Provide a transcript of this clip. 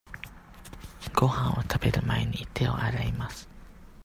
ごはんを食べる前に、手を洗います。